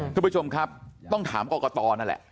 คุณผู้ชมครับต้องถามกรกตนั่นแหละ